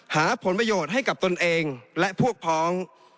หาผลประโยชน์ให้กับตนเองและพวกพ้อง